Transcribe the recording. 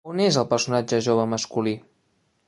On és el personatge jove masculí?